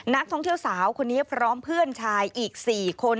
นักท่องเที่ยวสาวคนนี้พร้อมเพื่อนชายอีก๔คน